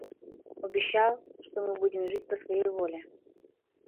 Обещал, что мы будем жить по своей воле.